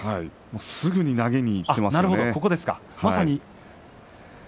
すぐに投げにいってますね。